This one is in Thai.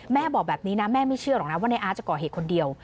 แม่บอกแบบนี้นะแม่ไม่เชื่อหรอกนะว่าในอาร์ตจะก่อเหตุคนเดียว